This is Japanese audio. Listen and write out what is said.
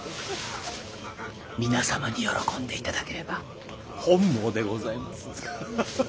皆様に喜んでいただければ本望でございます。